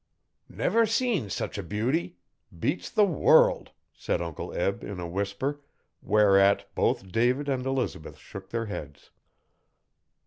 'Never see sech a beauty! Beats the world,' said Uncle Eb in a whisper, whereat both David and Elizabeth shook their heads.